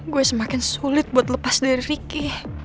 gue semakin sulit buat lepas dari fikih